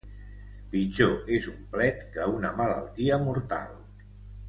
Pitjor és un plet que una malaltia mortal.